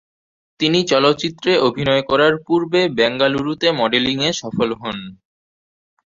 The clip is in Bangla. তিনি চলচ্চিত্রে অভিনয়ে করার পূর্বে বেঙ্গালুরুতে মডেলিং এ সফল হোন।